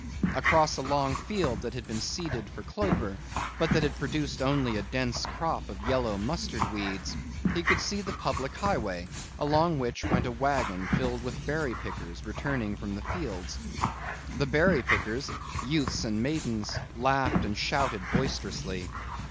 Across a long field that had been seeded for clover but that had produced only a dense crop of yellow mustard weeds, he could see the public highway along which went a wagon filled with berry pickers returning from the fields. The berry pickers, youths and maidens, laughed and shouted boisterously.